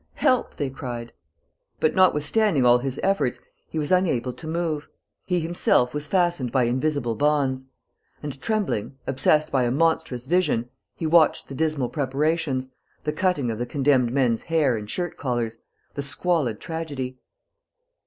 Help!" they cried. But, notwithstanding all his efforts, he was unable to move. He himself was fastened by invisible bonds. And, trembling, obsessed by a monstrous vision, he watched the dismal preparations, the cutting of the condemned men's hair and shirt collars, the squalid tragedy.